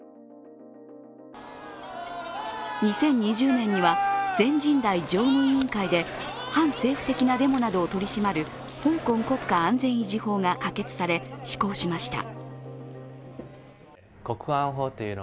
２０２０年には全人代常任委員会で反政府的なデモなどを取り締まる香港国家安全維持法が可決され、施行しました。